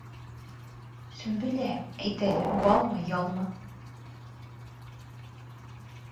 — Сөмбөлә, әйт әле, балмы, ялмы?